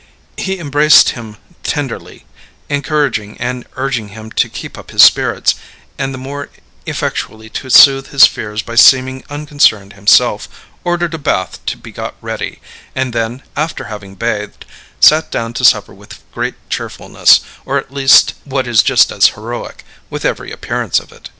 He embraced him tenderly, encouraging and urging him to keep up his spirits, and, the more effectually to soothe his fears by seeming unconcerned himself, ordered a bath to be got ready, and then, after having bathed, sat down to supper with great cheerfulness, or at least (what is just as heroic) with every appearance of it.